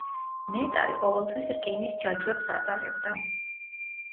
ნეტარი ყოველთვის რკინის ჯაჭვებს ატარებდა.